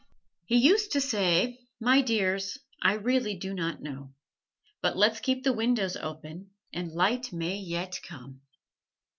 He used to say: "My dears, I really do not know. But let's keep the windows open and light may yet come."